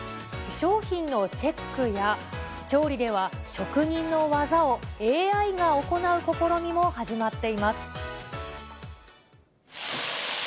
商品のチェックや、調理では職人の技をＡＩが行う試みも始まっています。